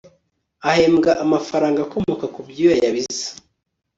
ahembwa amafaranga akomoka ku byuya yabize